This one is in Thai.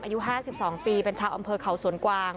อายุห้าสิบสองปีเป็นชาวอำเภอเขาสวนกวาง